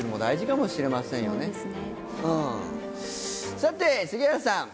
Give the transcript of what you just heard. さて杉原さん